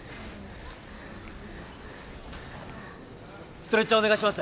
ストレッチャーお願いします。